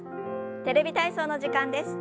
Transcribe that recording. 「テレビ体操」の時間です。